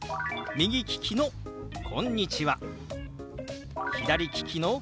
左利きの「こんにちは」。